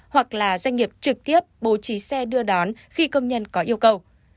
hoặc là doanh nghiệp trực tiếp bố trí xe đưa đón khi công nhân có yêu cầu